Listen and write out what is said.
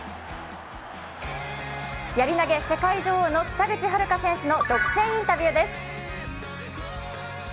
やり投げ世界女王の北口榛花選手の独占インタビューです。